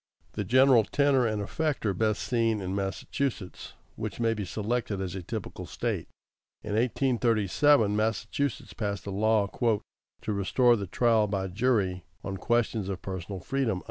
The general tenor and effect are best seen in Massachusetts, which may be selected as a typical State. In 1837, Massachusetts passed a law "to restore the trial by jury, on questions of personal freedom."